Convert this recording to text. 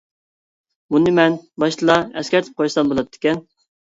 بۇنى مەن باشتىلا ئەسكەرتىپ قويسام بولاتتىكەن.